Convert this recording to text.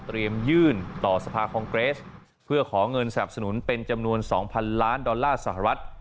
ยื่นต่อสภาคองเกรสเพื่อขอเงินสนับสนุนเป็นจำนวน๒๐๐๐ล้านดอลลาร์สหรัฐ